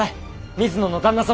水野の旦那様！